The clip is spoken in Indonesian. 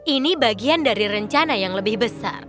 ini bagian dari rencana yang lebih besar